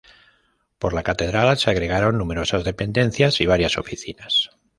Por la catedral se agregaron numerosas dependencias y varias oficinas.